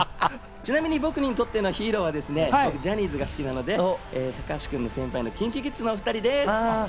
ちなみに僕にとってのヒーローはジャニーズが好きなので、高橋君の先輩のＫｉｎＫｉＫｉｄｓのお２人です。